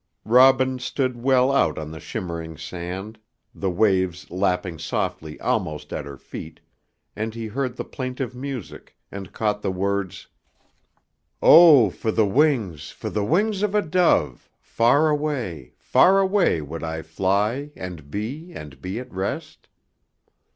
Robin stood well out on the shimmering sand, the waves lapping softly almost at her feet, and he heard the plaintive music, and caught the words, "Oh, for the wings, for the wings of a dove, Far away, far away, would I fly, and be, and be at rest."